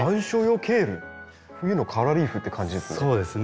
冬のカラーリーフっていう感じですね。